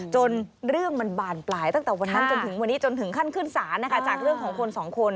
จนเรื่องมันบานปลายตั้งแต่วันนั้นจนถึงวันนี้จนถึงขั้นขึ้นศาลนะคะจากเรื่องของคนสองคน